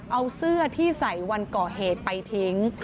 เอาเสื้อที่ใส่วันก่อเหตุไปทิ้ง